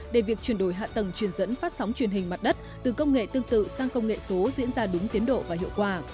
để việc chuyển đổi hạ tầng truyền dẫn phát sóng truyền hình mặt đất từ công nghệ tương tự sang công nghệ số diễn ra đúng tiến độ và hiệu quả